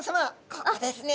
ここですね。